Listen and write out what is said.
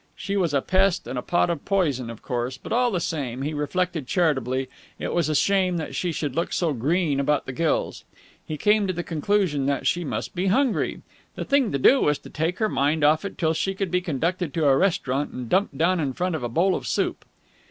She was a pest and a pot of poison, of course, but all the same, he reflected charitably, it was a shame that she should look so green about the gills. He came to the conclusion that she must be hungry. The thing to do was to take her mind off it till she could be conducted to a restaurant and dumped down in front of a bowl of soup.